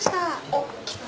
おっ来た。